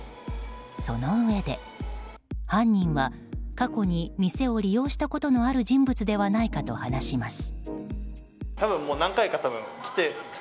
そのうえで、犯人は過去に店を利用したことのある人物ではないかと話します。